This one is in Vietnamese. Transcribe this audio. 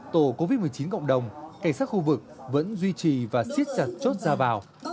tổ covid một mươi chín cộng đồng cảnh sát khu vực vẫn duy trì và siết chặt chốt ra vào